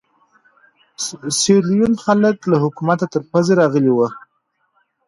سیریلیون خلک له حکومته تر پزې راغلي وو.